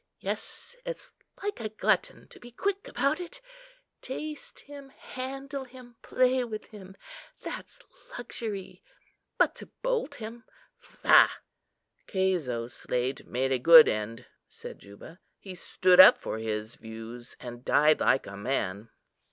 Yes, it's like a glutton to be quick about it. Taste him, handle him, play with him,—that's luxury! but to bolt him,—faugh!" "Cæso's slave made a good end," said Juba: "he stood up for his views, and died like a man."